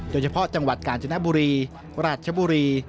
โดยเฉพาะจังหวัดกาญจนบุรีราชบุรี